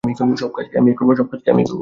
সব কাজ কি আমিই করবো?